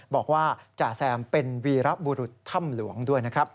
บอกว่าจาแซมเป็นวีระบุรุษธรรมหลวงด้วยนะครับ